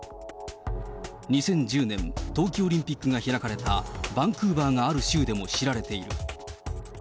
２０１０年、冬季オリンピックが開かれたバンクーバーがある州でも知られている。